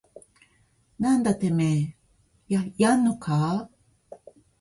なんだててめぇややんのかぁ